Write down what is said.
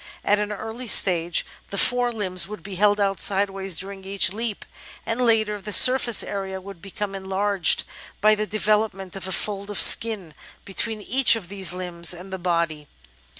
At an early stage the fore limbs would be held out sideways during each leap, and later the surface area would become enlarged by the develop ment of a fold of skin between each of these limbs and the body.